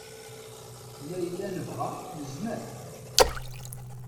Ma yella nebɣa, nezmer.